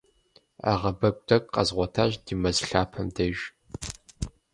Ӏэгъэбэгу тӏэкӏу къэзгъуэтащ ди мэз лъапэм деж.